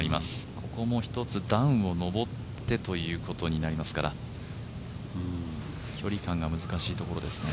ここも１つ段を上ってということになりますから距離感が難しいところですね。